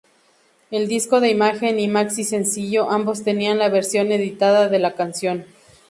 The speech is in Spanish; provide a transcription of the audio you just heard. El disco de imagen y maxi-sencillo-ambos tenían la versión editada de la canción.